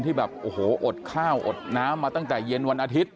ที่แบบโอ้โหอดข้าวอดน้ำมาตั้งแต่เย็นวันอาทิตย